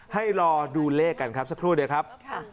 ให้รอดูเลขกันครับสักครู่เดียวครับ